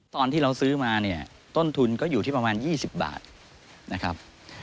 ตอนที่เราซื้อมาเนี่ยต้นทุนก็อยู่ที่ประมาณ๒๐บาทนะครับ